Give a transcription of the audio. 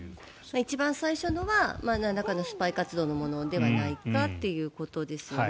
一番最初のは中のスパイ活動のものではないかということですよね。